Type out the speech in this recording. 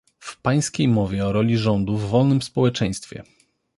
W pańskiej mowie o roli rządu w wolnym społeczeństwie